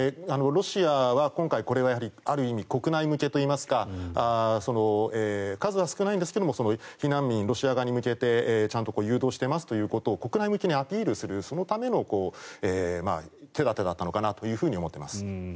ロシアは今回これはある意味、国内向けといいますか数は少ないんですが避難民、ロシア側に向けてちゃんと誘導していますということを国内向けにアピールするための手立てだったのかなと思っています。